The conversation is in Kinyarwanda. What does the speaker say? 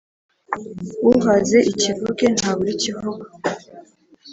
Uhaze ikivuge, ntabura ikivugo.